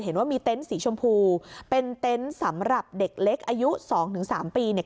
เห็นว่ามีเต็นต์สีชมพูเป็นเต็นต์สำหรับเด็กเล็กอายุสองถึงสามปีเนี่ย